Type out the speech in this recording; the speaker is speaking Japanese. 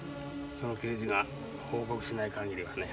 その刑事が報告しない限りはね。